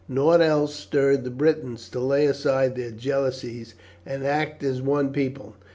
Nought else stirred the Britons to lay aside their jealousies and act as one people.